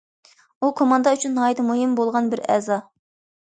ئۇ كوماندا ئۈچۈن ناھايىتى مۇھىم بولغان بىر ئەزا.